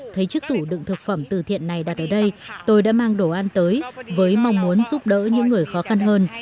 thấy chiếc tủ đựng thực phẩm từ thiện này đặt ở đây tôi đã mang đồ ăn tới với mong muốn giúp đỡ những người khó khăn hơn